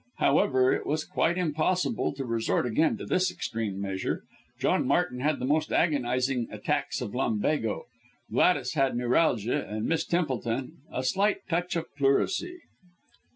However, it was quite impossible to resort again to this extreme measure. John Martin had the most agonizing attacks of lumbago. Gladys had neuralgia, and Miss Templeton a slight touch of pleurisy.